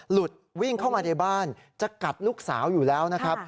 หลุดวิ่งเข้ามาในบ้านจะกัดลูกสาวอยู่แล้วนะครับ